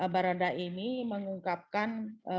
baradae ini mengungkapkan